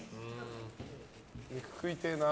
肉、食いてえな。